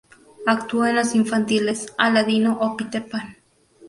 Actuó en los infantiles "Aladino" o "Peter Pan".